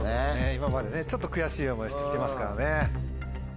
今までちょっと悔しい思いをしてきてますからね。